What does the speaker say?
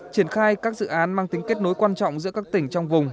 triển khai các dự án mang tính kết nối quan trọng giữa các tỉnh trong vùng